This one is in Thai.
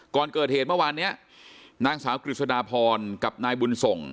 ก่อนเกิดเหตุเมื่อวานนี้นางสาวกฤษฎาพรกับนายบุญส่ง